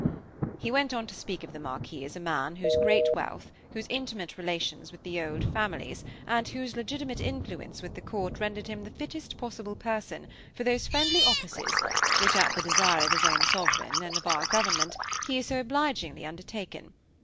He went on to speak of the Marquis as a man whose great wealth, whose intimate relations with the old families, and whose legitimate influence with the court rendered him the fittest possible person for those friendly offices which, at the desire of his own sovereign, and of our government, he has so obligingly undertaken.